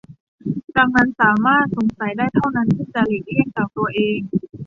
ดังนั้นสามารถสงสัยได้เท่านั้นที่จะหลีกเลี่ยงจากตัวเอง